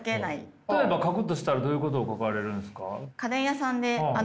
例えば書くとしたらどういうことを書かれるんですか？